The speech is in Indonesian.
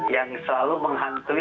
yang selalu menghantui